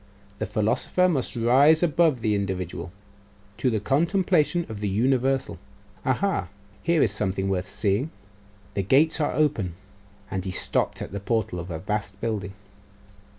The philosopher must rise above the individual, to the contemplation of the universal.... Aha! Here is something worth seeing, and the gates are open.' And he stopped at the portal of a vast building.